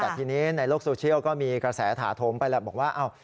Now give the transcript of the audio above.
แต่ทีนี้ในโลกโซเชียลก็มีกระแสถาโถมไปแล้วบอกว่า